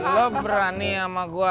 lo berani ama gua